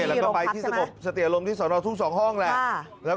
เราก็ไปสงบสติอารมณ์ที่สนทุ่ม๒ห้องและ